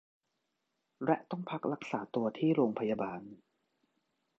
และต้องพักรักษาตัวที่โรงพยาบาล